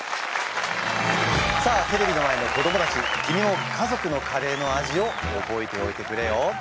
さあテレビの前の子どもたち君も家族のカレーの味を覚えておいてくれよ。